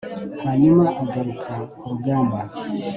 hanyuma agaruka ku rugamba